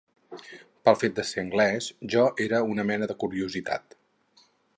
Pel fet de ser anglès, jo era una mena de curiositat